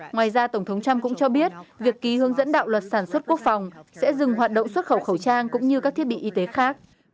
ngoài ra tổng thống trump cũng cho biết việc ký hướng dẫn đạo luật sản xuất quốc phòng sẽ dừng hoạt động xuất khẩu khẩu trang cũng như các thiết bị y tế khác